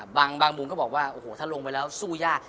บางมุมก็บอกว่าโอ้โหถ้าลงไปแล้วสู้ยาก